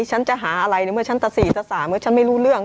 ฉันจะหาอะไรฉันตะสี่ตะสามฉันไม่รู้เรื่อง